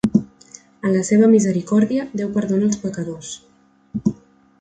En la seva misericòrdia, Déu perdona els pecadors.